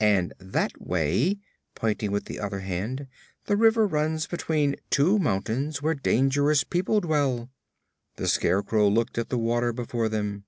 And that way," pointing with the other hand, "the river runs between two mountains where dangerous people dwell." The Scarecrow looked at the water before them.